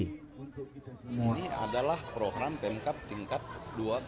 ini adalah program pemkap tingkat dua kabupaten deli serdang